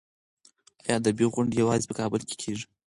ایا ادبي غونډې یوازې په کابل کې کېږي؟